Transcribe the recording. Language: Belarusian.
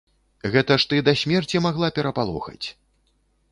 Гэта ж ты да смерці магла перапалохаць.